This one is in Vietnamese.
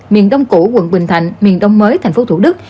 miền đông củ quận bình thạnh miền đông mới thành phố thủ đức